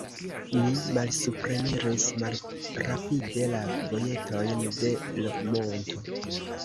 Ni malsupreniris malrapide la vojetojn de l' monto.